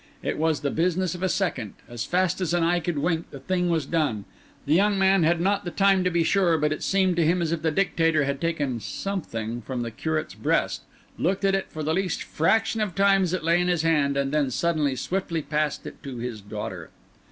It was the business of a second; as fast as an eye can wink the thing was done; the young man had not the time to be sure, but it seemed to him as if the Dictator had taken something from the curate's breast, looked at it for the least fraction of time as it lay in his hand, and then suddenly and swiftly passed it to his daughter.